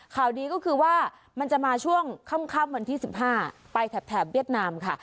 ข่าวดีก็คือว่ามันจะมาช่วงค่ำวันที่๑๕ไปแถบเวียดนามค่ะ